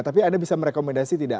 tapi anda bisa merekomendasi tidak